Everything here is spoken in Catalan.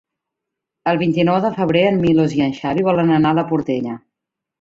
El vint-i-nou de febrer en Milos i en Xavi volen anar a la Portella.